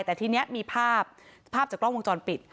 แต่ทีนี้มีภาพภาพจากกล้องวงจรปิด